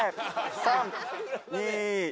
３２。